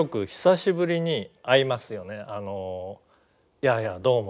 「いやいやどうも。